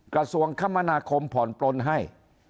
กระทรวงคมนาคมผ่อนปลนให้